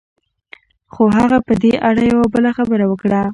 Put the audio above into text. خو هغه په دې اړه يوه بله خبره وکړه.